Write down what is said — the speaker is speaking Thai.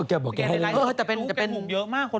แกบอกแกให้เลขแม่นมาก